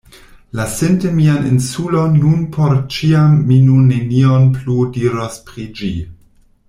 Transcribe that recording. Lasinte mian insulon nun por ĉiam mi nun nenion plu diros pri ĝi.